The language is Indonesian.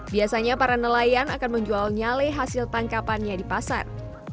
biasanya para nelayan akan menjual nyale hasil tangkapannya di pasar